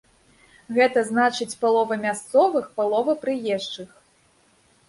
Гэта значыць палова мясцовых, палова прыезджых.